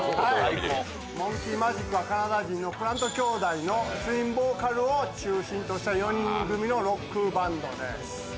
ＭＯＮＫＥＹＭＡＪＩＫはカナダ人のプラント兄弟のツインボーカルを中心とした４人組のロックバンドです。